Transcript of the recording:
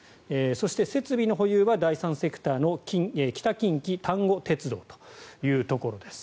そして、設備の保有は第三セクターの北近畿タンゴ鉄道というところです。